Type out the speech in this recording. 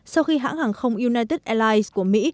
sau khi hãng hàng không united airlines của mỹ